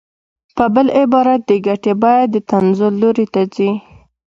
په بل عبارت د ګټې بیه د تنزل لوري ته ځي